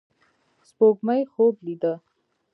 سپوږمۍ خوب لیدې